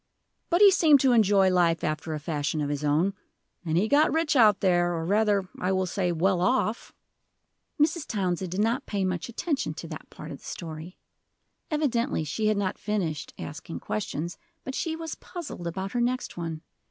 But he seemed to enjoy life after a fashion of his own. And he got rich out there, or rather, I will say, well off." Mrs. Townsend did not pay much attention to that part of the story. Evidently she had not finished asking questions, but she was puzzled about her next one.